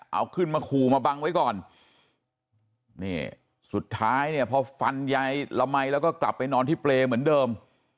เอาขึ้นมาขู่มาบังไว้ก่อนนี่สุดท้ายเนี่ยพอฟันยายละมัยแล้วก็กลับไปนอนที่เปรย์เหมือนเดิม